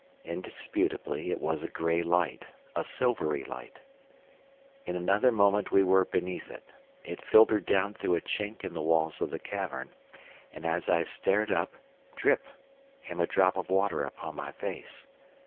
Indisputably it was a grey light, a silvery light. In another moment we were beneath it. It filtered down through a chink in the walls of the cavern, and as I stared up, drip, came a drop of water upon my face.